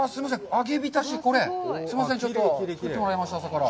揚げびたし、これ、すみません、作ってもらいました、朝から。